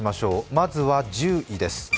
まずは１０位です。